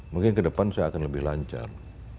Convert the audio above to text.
mungkin ke depan saya akan lebih lancar